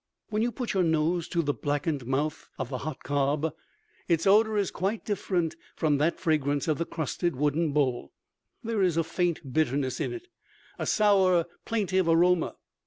When you put your nose to the blackened mouth of the hot cob its odor is quite different from that fragrance of the crusted wooden bowl. There is a faint bitterness in it, a sour, plaintive aroma.